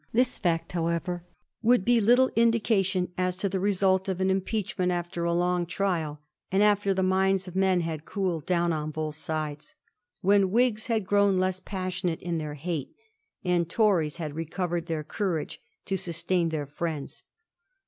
This fact, however, would be little indication as to the result of an impeachment after a long trial, and after the minds of men had cooled down on both sides ; when Whigs had grown less passionate in their hate, and Tories had recovered their courage to sustain their friends.